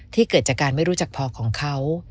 เกิดจากการไม่รู้จักพอของเขา